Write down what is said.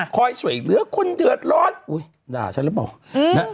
คอยช่วยเหลือคนเดือดร้อนอุ้ยด่าฉันหรือเปล่า